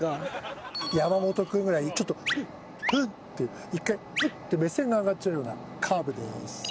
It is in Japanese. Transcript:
山本君ぐらいちょっとウッウッて１回ウッて目線が上がっちゃうようなカーブです。